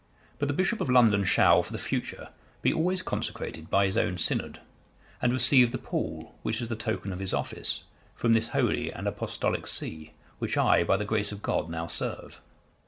But the bishop of London shall, for the future, be always consecrated by his own synod, and receive the pall, which is the token of his office, from this holy and Apostolic see, which I, by the grace of God, now serve.